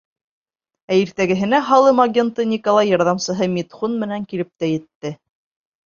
Ә иртәгәһенә һалым агенты Николай ярҙамсыһы Митхун менән килеп тә етте.